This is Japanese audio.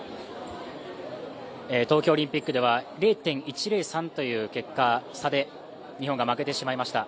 東京オリンピックでは０．１０３という結果で負けてしまいました。